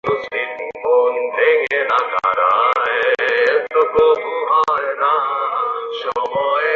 কথাটা মনে রাখবো।